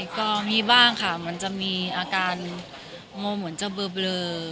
ก็มีบ้างค่ะมันจะมีอาการมองเหมือนจะเบลอ